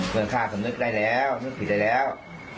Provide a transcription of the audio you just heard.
เรื่องข้าคือนึกได้แล้วนึกผิดได้แล้ว